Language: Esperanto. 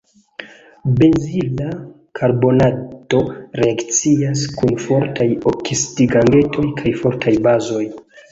Benzila karbonato reakcias kun fortaj oksidigagentoj kaj fortaj bazoj.